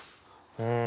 うん。